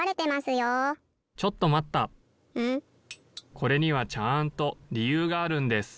・これにはちゃんとりゆうがあるんです。